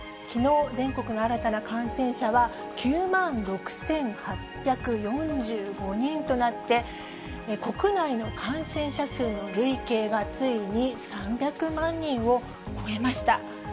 きのう、全国の新たな感染者は９万６８４５人となって、国内の感染者数の累計が、ついに３００万人を超えました。